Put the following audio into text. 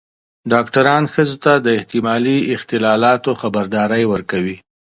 ډاکتران ښځو ته د احتمالي اختلالاتو خبرداری ورکوي.